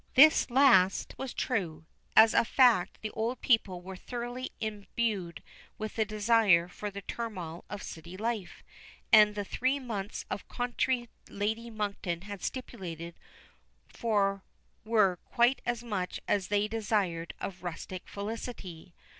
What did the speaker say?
This last was true. As a fact, the old people were thoroughly imbued with the desire for the turmoil of city life, and the three months of country Lady Monkton had stipulated for were quite as much as they desired of rustic felicity.